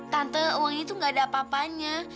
tante uangnya itu gak ada apa apanya